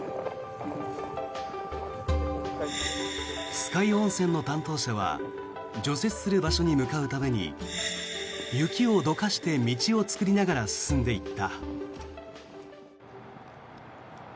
酸ヶ湯温泉の担当者は除雪する場所に向かうために雪をどかして道を作りながら進んでいった。